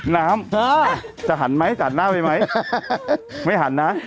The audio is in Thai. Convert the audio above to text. น้ำจะหันไหมตัดหน้าไปไหมไม่หันนะ